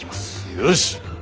よし。